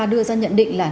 đưa ra nhận định là